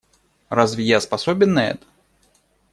Разве я способен на это?